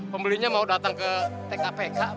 pembelinya mau datang ke tkpk